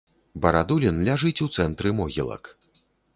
Барадулін ляжыць у цэнтры могілак.